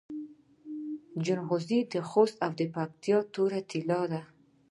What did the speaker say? جلغوزي د خوست او پکتیا تور طلایی دي.